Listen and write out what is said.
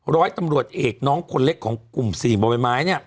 ร้อยตำรวจเอกคนเล็กของกลุ่ม๔ไม้